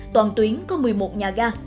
toàn tuyến có một mươi một nhà ga